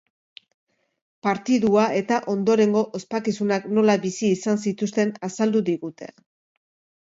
Partidua eta ondorengo ospakizunak nola bizi izan zituzten azaldu digute.